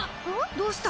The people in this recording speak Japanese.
どうした？